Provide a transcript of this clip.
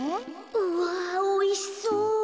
うわおいしそう。